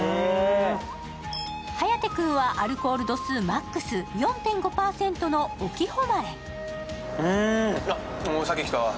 颯くんはアルコール度数マックス４．５％の隠岐誉。